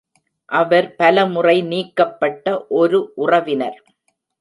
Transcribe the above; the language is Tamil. அவர் பல முறை நீக்கப்பட்ட ஒரு உறவினர்.